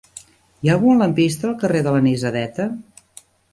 Hi ha algun lampista al carrer de l'Anisadeta?